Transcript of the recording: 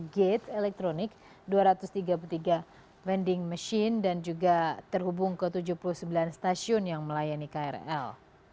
dua puluh gate elektronik dua ratus tiga puluh tiga vending machine dan juga terhubung ke tujuh puluh sembilan stasiun yang melayani krl